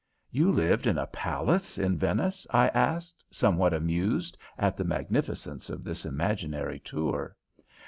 "You lived in a palace in Venice?" I asked, somewhat amused at the magnificence of this imaginary tour.